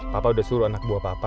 papa udah suruh anak buah papa